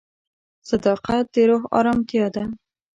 صداقت د روح ارامتیا ده.